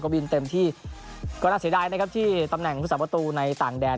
บินเต็มที่ก็น่าเสียดายนะครับที่ตำแหน่งพุทธศาสประตูในต่างแดน